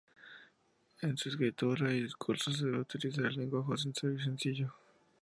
En su escritura y discurso, se debe utilizar un lenguaje sincero y sencillo.